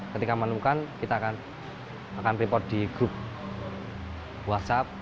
ketika menemukan kita akan report di grup whatsapp